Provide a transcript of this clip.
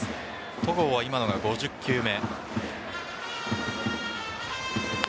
戸郷は今のが５０球目。